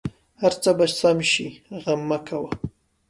هر څه به سم شې غم مه کوه